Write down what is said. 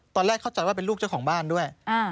ตอนแรกเข้าใจว่าเป็นลูกเจ้าของบ้านด้วย